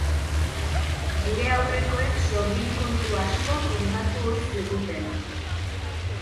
Gure aurrekoek sorgin-kontu asko kontatu ohi ziguten.